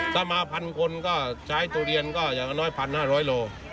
ก็มา๑๐๐๐คนก็ปล้อยทุเรียนอย่างน้อยอย่าง๑๕๐๐โล